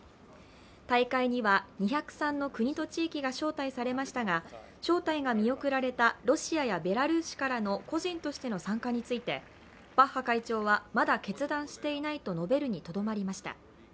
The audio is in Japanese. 大会には２０３の国と地域が招待されましたが招待が見送られたロシアやベラルーシからの個人としての参加について、バッハ会長はまだ決断していないと述べるにとどまりました。